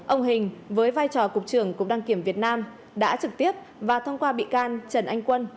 ông hình với vai trò cục trưởng cục đăng kiểm việt nam đã trực tiếp và thông qua bị can trần anh quân